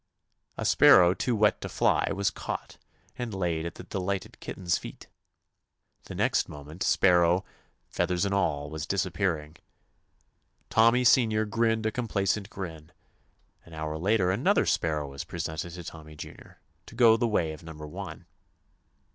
A sparrow too wet to fly was caught and laid at the delighted kitten's feet. The next moment sparrow, feathers and all, was disappearing. Tommy Senior grinned a complacent grin. An hour later another sparrow was presented to Tommy Junior, to go the way of number one.